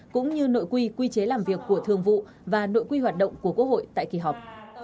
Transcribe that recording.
cũng như nội quy quy chế làm việc của thương vụ và nội quy hoạt động của quốc hội tại kỳ họp